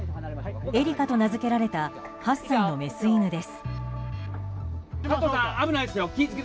エリカと名付けられた８歳のメス犬です。